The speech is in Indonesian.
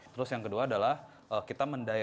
terus yang kedua adalah kita mendayakan